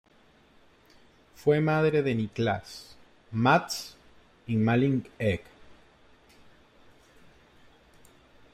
Fue madre de Niklas, Mats y Malin Ek.